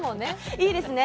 いいですね。